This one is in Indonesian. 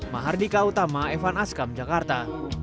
mahardika utama evan askam jakarta